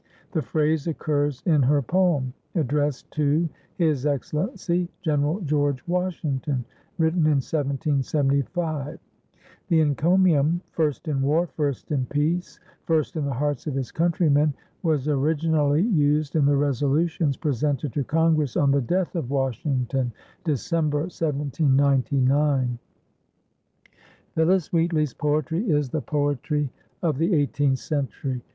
The phrase occurs in her poem addressed to "His Excellency, General George Washington," written in 1775. The encomium, "First in war, first in peace, first in the hearts of his countrymen" was originally used in the resolutions presented to Congress on the death of Washington, December, 1799. Phillis Wheatley's poetry is the poetry of the Eighteenth Century.